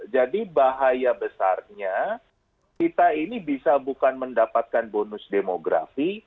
jadi bahaya besarnya kita ini bisa bukan mendapatkan bonus demografi